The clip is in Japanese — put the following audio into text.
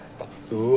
うわ。